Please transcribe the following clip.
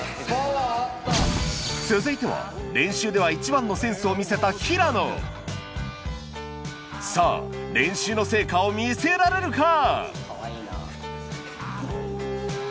続いては練習では一番のセンスを見せたさぁ練習の成果を見せられるか⁉